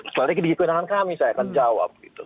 strategi di kewenangan kami saya akan jawab